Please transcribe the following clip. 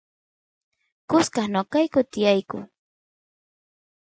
kusqas noqayku tiyayku